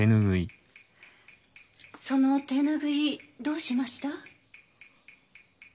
その手拭いどうしました？